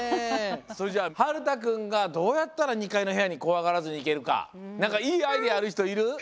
それじゃあはるたくんがどうやったら２階の部屋に怖がらずにいけるかなんかいいアイデアあるひといる？